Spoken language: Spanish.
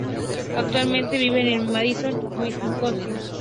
Actualmente viven en Madison, Wisconsin.